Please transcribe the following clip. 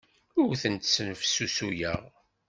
Ur tent-snefsusuyeɣ.